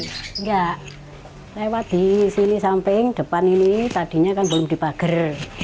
enggak lewat di sini samping depan ini tadinya kan belum dibager